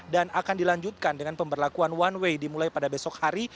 dan akan dilanjutkan dengan pemberlakuan one way dimulai pada besok hari